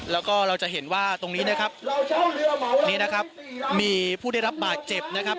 แล้วก็เราจะเห็นว่าตรงนี้นะครับนี่นะครับมีผู้ได้รับบาดเจ็บนะครับ